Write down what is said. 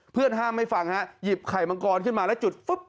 เพื่อนห้ามไม่ฟังหยิบไข่มังกรขึ้นมาแล้วจุด